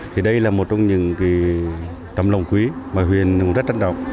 thì đây là một trong những cái tầm lòng quý mà huyện cũng rất trân trọng